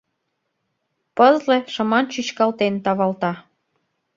Пызле, шыман чӱчкалтен, тавалта.